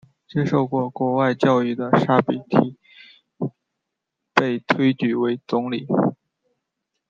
接受过国外教育的沙比提被推举为总理。